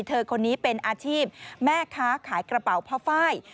เธอคนนี้เป็นอาชีพแม่ค้าขายกระเป๋าพ่อไฟล์